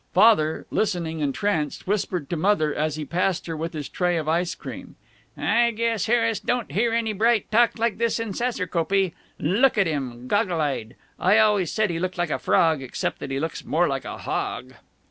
Father, listening entranced, whispered to Mother, as he passed her with his tray of ice cream, "I guess Harris don't hear any bright talk like this in Saserkopee. Look at him. Goggle eyed. I always said he looked like a frog. Except that he looks more like a hog."